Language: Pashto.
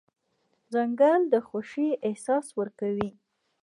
ځنګل د خوښۍ احساس ورکوي.